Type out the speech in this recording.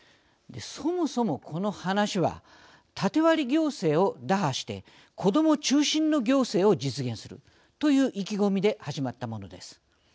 そもそも、この話はタテ割り行政を打破して子ども中心の行政を実現するという意気込みで始まったものです。